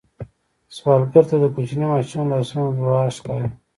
سوالګر ته د کوچني ماشوم لاسونه دعا ښکاري